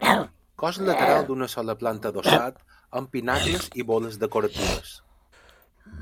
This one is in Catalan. Cos lateral d'una sola planta adossat, amb pinacles i boles decoratives.